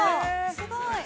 すごい。